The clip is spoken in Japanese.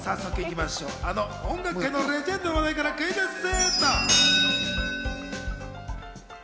あの音楽界のレジェンドの話題からクイズッス！